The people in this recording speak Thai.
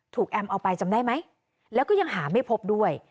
แอมเอาไปจำได้ไหมแล้วก็ยังหาไม่พบด้วย